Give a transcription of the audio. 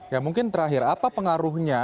ya mungkin terakhir apa pengaruhnya